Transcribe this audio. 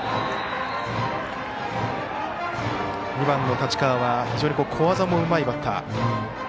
２番の立川は非常に小技もうまいバッター。